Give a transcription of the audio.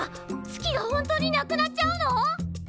月が本当になくなっちゃうの！？